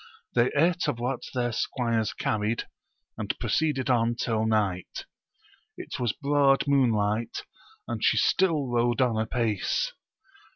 They ate of what their squires carried, and proceeded on till night : it was broad moon light, and she still rode on apace.